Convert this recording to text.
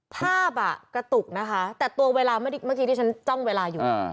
ภาพอ่ะกระตุกนะคะแต่ตัวเวลาเมื่อกี้ที่ฉันจ้องเวลาอยู่